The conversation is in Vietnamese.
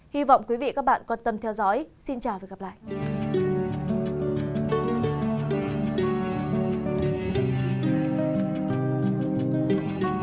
xin chào và hẹn gặp lại